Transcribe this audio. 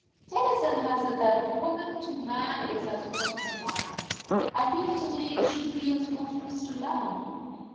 Tennyson has it that woman to man is as water to wine. I feel to day it should be as water is to land.